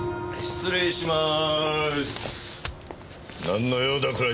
失礼します。